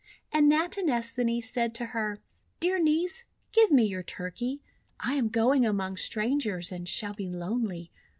And Natinesthani said to her: — "Dear Niece, give me your Turkey. I am going among strangers, and shall be lonely.